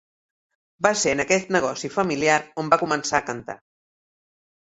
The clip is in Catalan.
Va ser en aquest negoci familiar on va començar a cantar.